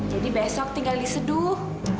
jadi besok tinggal di seduh